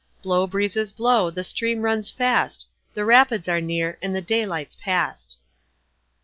Blow, breezes, blow, the stream runs fast, The Rapids are near and the daylight's past.